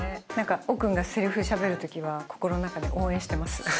奥君がせりふしゃべるときは心の中で応援してます